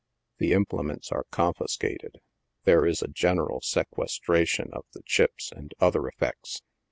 The imple ments are confiscated ; there is a general sequestration of the " chips" and other effects.